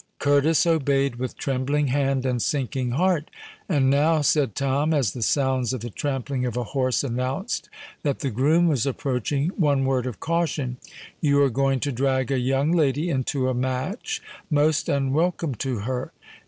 Curtis obeyed with trembling hand and sinking heart. "And now," said Tom, as the sounds of the trampling of a horse announced that the groom was approaching, "one word of caution! You are going to drag a young lady into a match most unwelcome to her.